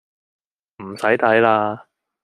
唔使睇喇